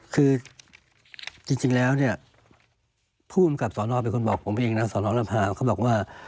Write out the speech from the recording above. คือจริงแล้วเนี่ยผู้อำกับสอนอเป็นคนบอกผมเองนะสนระพาวเขาบอกว่า